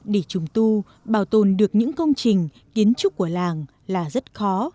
để trùng tu bảo tồn được những công trình kiến trúc của làng là rất khó